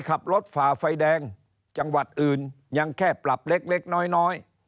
คนอื่นยังแค่ปรับเล็กน้อย